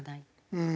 うん。